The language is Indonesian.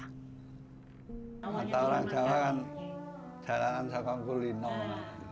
hanya seperti pada kehidupan pertama pukulan di pabrik republik warriors